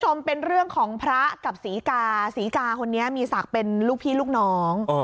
คุณผู้ชมเป็นเรื่องของพระกับศรีกาศรีกาคนนี้มีศักดิ์เป็นลูกพี่ลูกน้อง